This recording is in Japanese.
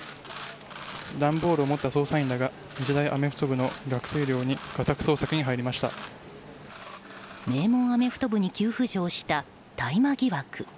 段ボールを持った捜査員らが日大アメフト部の寮に名門アメフト部に急浮上した大麻疑惑。